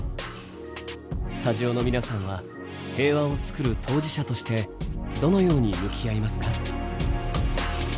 スタジオの皆さんは平和をつくる当事者としてどのように向き合いますか？